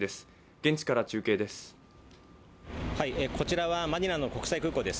現地から中継です。